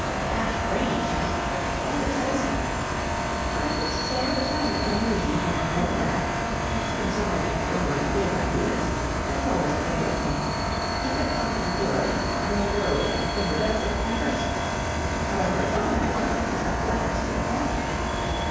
"Dashed brainy chap. Always said so." "I must say I was rather uneasy when I read that. I've seen so many of Fillmore's Big Ideas. That's always the way with him. He gets something good and then goes and overdoes it and bursts. However, it's all right now that he's got Gladys to look after him.